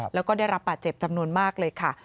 แล้วก็ได้รับบาดเจ็บจำนวนมากเลยค่ะ